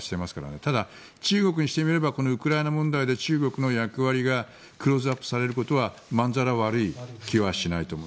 ただ、中国にしてみればウクライナ問題で中国の役割がクローズアップされることは満更悪い気はしないと思います。